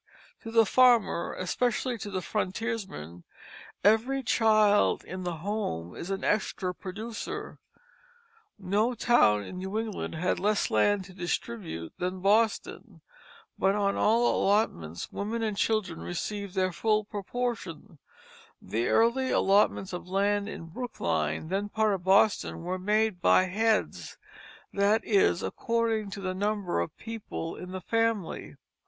To the farmer, especially the frontiersman, every child in the home is an extra producer. No town in New England had less land to distribute than Boston, but on all allotments women and children received their full proportion; the early allotments of land in Brookline (then part of Boston) were made by "heads," that is, according to the number of people in the family.